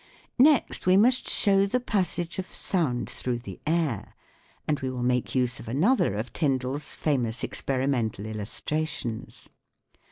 Next we must show the passage of sound through the air, and we will make use of another of TyndalFs famous experimental illustrations.